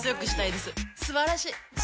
すばらしい！